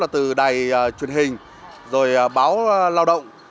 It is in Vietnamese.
từ đài truyền hình rồi báo lao động